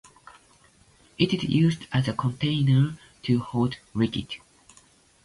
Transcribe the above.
It is used as a container to hold liquids.